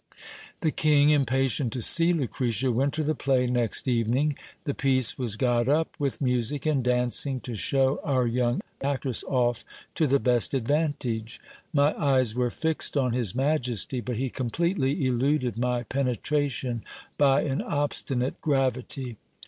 The king, impatient to see Lucretia, went to the play next evening. The I piece was got up with music and dancing, to shew our young actress off to the ' best advantage. My eyes were fixed on his majesty ; but he completely eluded my penetration by an obstinate gravity.